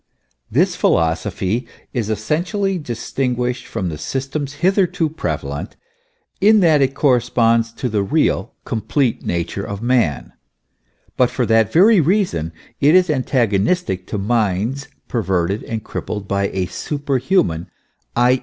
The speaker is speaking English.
This philosophy is essentially distinguished from the systems hitherto prevalent, in that it corresponds to the real, complete nature of man; but for that very reason it is antagonistic to minds perverted and crippled by a superhuman, i.